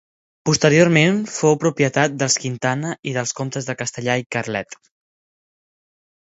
Posteriorment fou propietat dels Quintana i dels comtes de Castellar i Carlet.